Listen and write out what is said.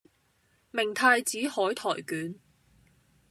明太子海苔捲